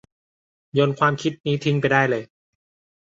โยนความคิดนี้ทิ้งไปได้เลย